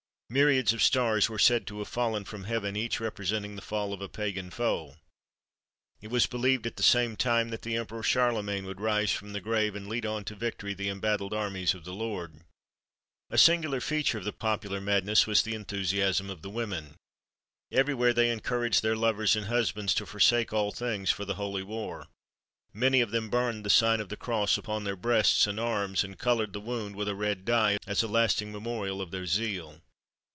Myriads of stars were said to have fallen from heaven, each representing the fall of a Pagan foe. It was believed at the same time that the Emperor Charlemagne would rise from the grave, and lead on to victory the embattled armies of the Lord. A singular feature of the popular madness was the enthusiasm of the women. Every where they encouraged their lovers and husbands to forsake all things for the holy war. Many of them burned the sign of the cross upon their breasts and arms, and coloured the wound with a red dye, as a lasting memorial of their zeal.